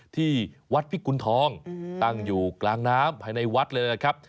ที่วัดพิกุณฑองตั้งอยู่กลางน้ำภายในวัดเลยนะครับ